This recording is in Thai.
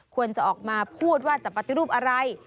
ควรจะออกมาพูดว่าจะปฏิรูปอะไร